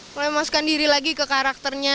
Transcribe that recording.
mulai memasukkan diri lagi ke karakternya